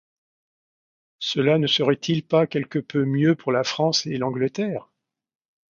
Cela ne serait-il pas quelque peu mieux pour la France et l’Angleterre ?